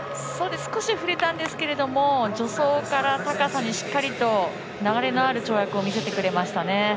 少し触れたんですけども助走から高さにしっかりと流れのある跳躍を見せてくれましたね。